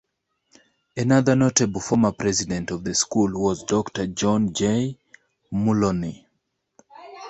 Another notable former president of the school was Doctor John J. Mullowney.